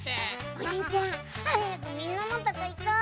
おにいちゃんはやくみんなのとこいこう！